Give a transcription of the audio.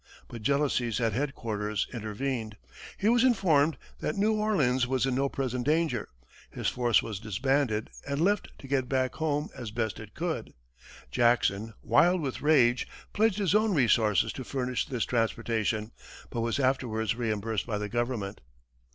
But jealousies at headquarters intervened, he was informed that New Orleans was in no present danger, his force was disbanded and left to get back home as best it could. Jackson, wild with rage, pledged his own resources to furnish this transportation, but was afterwards reimbursed by the government.